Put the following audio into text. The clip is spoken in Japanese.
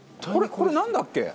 これなんだっけ？